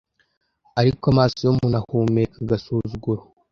ariko amaso yumuntu ahumeka agasuzuguro